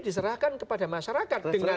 diserahkan kepada masyarakat dengan